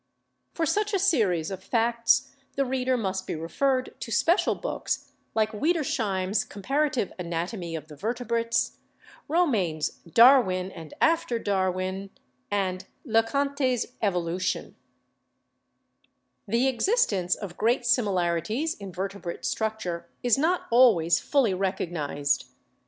For such a series of facts the reader must be referred to special books like Wiedersheim's 'Compara tive Anatomy of the Vertebrates/ Romanes's 'Darwin and After Darwin/ and Le Contes 'Evolution/ The existence of great similarities in vertebrate struc ture is not always fully recognised.